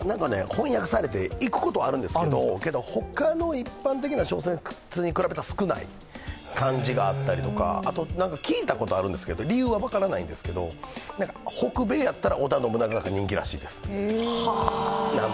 翻訳されて行くことはあるんですけどけど、他の一般的な小説に比べたら少ない感じがあったりとかあと聞いたことあるんですけど、理由は分からないんですけど北米だったら織田信長が人気らしいです。